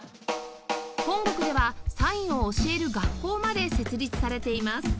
本国ではサインを教える学校まで設立されています